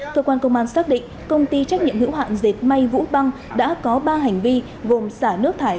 cơ quan công an xác định công ty trách nhiệm hữu hạn dệt may vũ băng đã có ba hành vi gồm xả nước thải